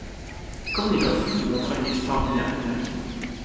Kornilov démontra une extraordinaire énergie.